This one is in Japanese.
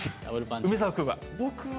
梅澤君は。